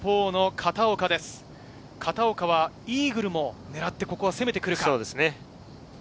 片岡はイーグルも狙って、ここは攻めてくるか。